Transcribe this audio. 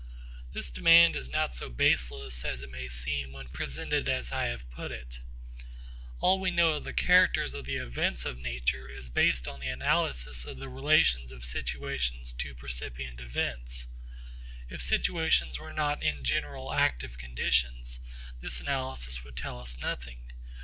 This demand is not so baseless as it may seem when presented as I have put it. All we know of the characters of the events of nature is based on the analysis of the relations of situations to percipient events. If situations were not in general active conditions, this analysis would tell us nothing.